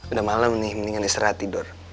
udah malam nih mendingan istirahat tidur